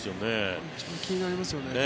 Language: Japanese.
気になりますよね。